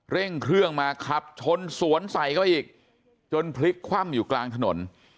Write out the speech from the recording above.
เร่งเครื่องมาขับชนสวนใส่เข้าไปอีกจนพลิกคว่ำอยู่กลางถนน